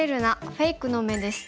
フェイクの目」です。